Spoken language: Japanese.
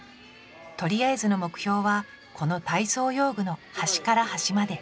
とりあえずの目標はこの体操用具の端から端まで。